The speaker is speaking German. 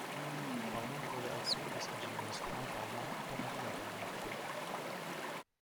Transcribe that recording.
Baumann wurde als Sohn des Ingenieurs Karl Baumann und der Maria Baumann, geb.